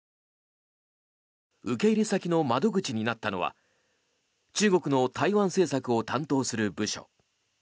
受け入れ先の窓口になったのは中国の台湾政策を担当する部署。